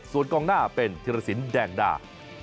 ส่วนกองหน้าเป็นธิรสินแดงดา